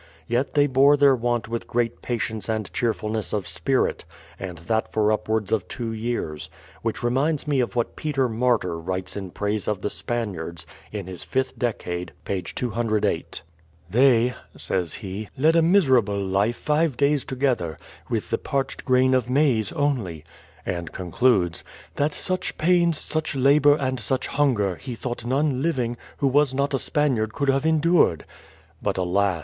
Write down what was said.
Yet they bore their want with THE PLYMOUTH SETTLEMENT 117 great patience and cheerfulness of spirit, and that for up wards of two years; which reminds me of what Peter Martyr writes in praise of the Spaniards, in his Fifth Dec ade, page 208. "They," says he, "led a miserable life five days together, with the parched grain of maize only," and concludes, "that such pains, such labour, and such hunger, he thought none living, who was not a Spaniard could have endured." But alas